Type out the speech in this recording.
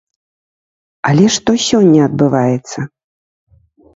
Але што сёння адбываецца?